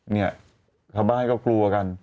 เนี่ยชาวบ้านก็กลัวกัน